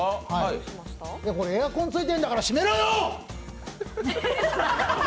エアコンついてるんだから閉めろよ！